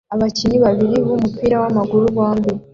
Abakinnyi babiri b'umupira w'amaguru bombi